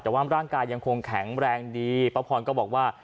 แต่ว่าร่างกายยังคงแข็งแรงดีป้าพรก็บอกว่า